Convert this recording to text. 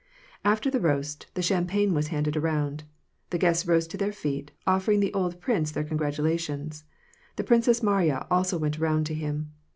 After the roast, the champagne was handed around. The guests rose to their feet, offering the old prince their con gratulations. The Princess Mariya also went round to him.